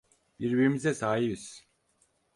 Birbirimize sahibiz.